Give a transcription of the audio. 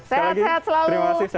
sehat sehat selalu terima kasih